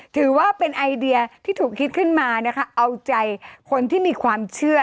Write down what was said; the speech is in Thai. ถือว่าเป็นไอเดียที่ถูกคิดขึ้นมานะคะเอาใจคนที่มีความเชื่อ